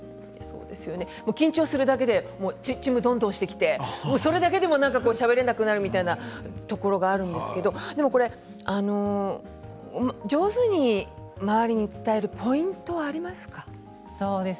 緊張するだけでちむどんどんしてきてそれだけでしゃべれなくなることがあるんですけれども上手に周りに伝えるポイントはありますか？